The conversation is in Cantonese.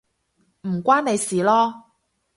唔關你事囉